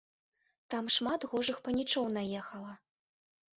Там шмат гожых панічоў наехала.